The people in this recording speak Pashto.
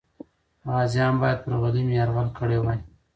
غازیان باید پر غلیم یرغل کړی وای.